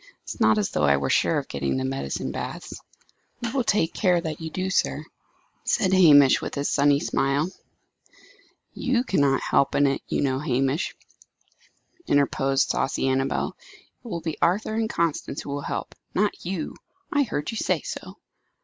It is not as though I were sure of getting to the medicinal baths." "We will take care that you do that, sir," said Hamish, with his sunny smile. "You cannot help in it, you know, Hamish," interposed saucy Annabel. "It will be Arthur and Constance who will help not you. I heard you say so!"